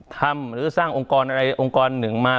หรือสร้างองค์กรอะไรองค์กรหนึ่งมา